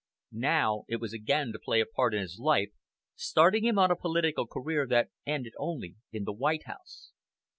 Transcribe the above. Now it was again to play a part in his life, starting him on a political career that ended only in the White House.